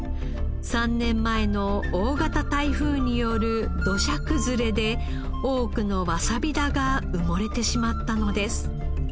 ３年前の大型台風による土砂崩れで多くのわさび田が埋もれてしまったのです。